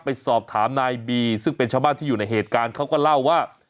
ไปสอบถามนายบีซึ่งเป็นชาวบ้านที่อยู่ในเหตุการณ์เขาก็เล่าว่า